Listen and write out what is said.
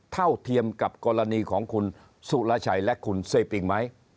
เท่าเทียมกับกรณีของคุณสุรชัยและคุณเซปิงไหม